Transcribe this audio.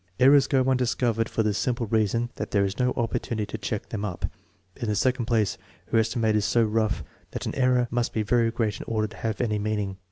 Errors go undiscovered for the simple reason that there is no op portunity to check them up* In the second place, her esti mate is so rough that an error must be very great in order to have any meaning.